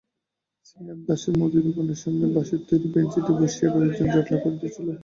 শ্রীনাথ দাশের মুদি দোকানের সামনে বাঁশের তৈরি বেঞ্চিতে বসিয়া কয়েকজন জটলা করিতেছিল।